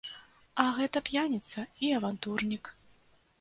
А гэта п'яніца і авантурнік.